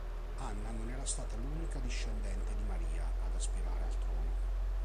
Anna non era stata l'unica discendente di Maria ad aspirare al trono.